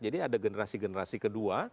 jadi ada generasi generasi kedua